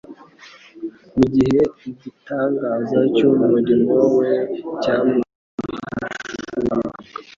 mu gihe igitangaza cy’umurimo we cyamuhishurirwaga